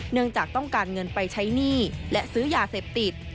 เนื่องจากต้องการเงินไปใช้หนี้และซื้อยาเสพติด